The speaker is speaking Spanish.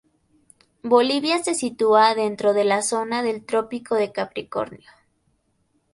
Bolivia se sitúa dentro de la zona del Trópico de Capricornio.